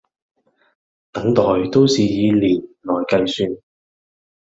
等待都是以年來計算